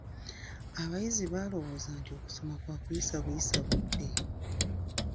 Abayizi balowooza nti okusoma kwakuyisa buyisa budde.